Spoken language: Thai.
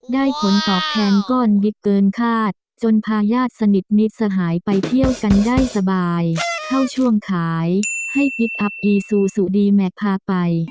ผลตอบแทนก้อนบิ๊กเกินคาดจนพาญาติสนิทมิตรสหายไปเที่ยวกันได้สบายเข้าช่วงขายให้พลิกอัพอีซูซูดีแม็กซ์พาไป